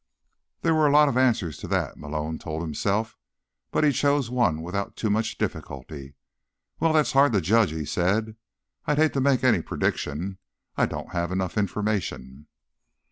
There were a lot of answers to that, Malone told himself. But he chose one without too much difficulty. "Well, that's hard to judge," he said. "I'd hate to make any prediction. I don't have enough information."